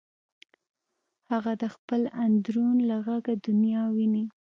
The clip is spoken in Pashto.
هغه د خپل اندرون له غږه دنیا ویني